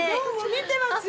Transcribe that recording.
見てますよ。